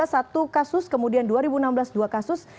dua ribu lima belas satu kasus kemudian dua ribu enam belas dua kasus